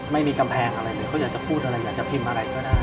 ไม่มีกำแพงอะไรเลยเขาอยากจะพูดอะไรอยากจะพิมพ์อะไรก็ได้